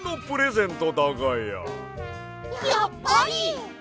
やっぱり！